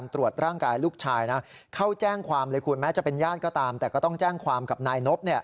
ถ้าจะเป็นญาติก็ตามแต่ก็ต้องแจ้งความกับนายนบ